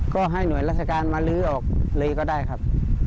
ก็ให้หน่วยราชการมาลื้อออกเลยก็ได้ครับ